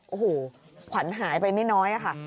โอ้โหขวัญหายไปไม่น้อยค่ะ